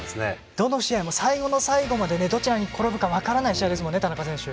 どの試合も最後の最後までどちらに転ぶか分からない試合ですよね。